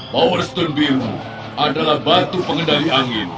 power stone biru adalah batu pengendali angin